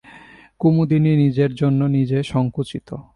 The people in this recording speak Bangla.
কুমুদিনী নিজের জন্যে নিজে সংকুচিত।